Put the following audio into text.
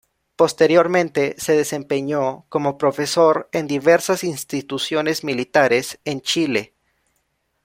Posteriormente se desempeñó como profesor en diversas instituciones militares en Chile.